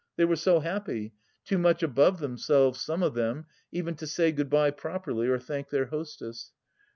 They were so happy, too much above themselves, some of them, even to say Good bye properly or thank their hostess.